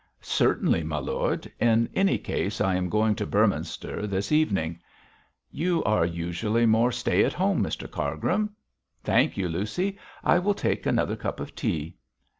'Certainly, my lord. In any case, I am going in to Beorminster this evening.' 'You are usually more stay at home, Mr Cargrim. Thank you, Lucy, I will take another cup of tea.'